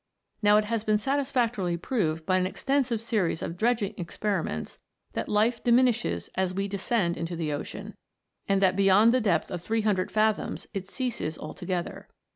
Now, it has been satisfactorily proved by an extensive series of dredging experiments that life diminishes as we descend into the ocean, and that beyond the depth of three hundred fathoms it ceases altogether.